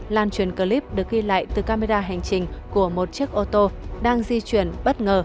lan truyền clip được ghi lại từ camera hành trình của một chiếc ô tô đang di chuyển bất ngờ